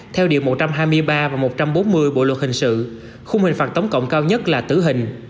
theo điều một trăm hai mươi ba và một trăm bốn mươi bộ luật hình sự khung hình phạt tổng cộng cao nhất là tử hình